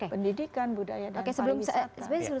pendidikan budaya dan pariwisata